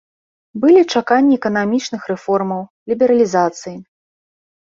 Былі чаканні эканамічных рэформаў, лібералізацыі.